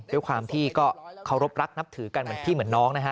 ด้วยความที่ก็เคารพรักนับถือกันเหมือนพี่เหมือนน้องนะฮะ